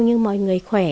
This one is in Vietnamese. nhưng mà người khỏe